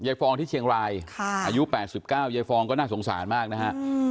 ฟองที่เชียงรายอายุ๘๙ยายฟองก็น่าสงสารมากนะฮะ